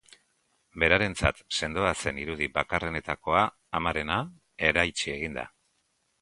Berarentzat sendoa zen irudi bakarrenetakoa, amarena, eraitsi egin da.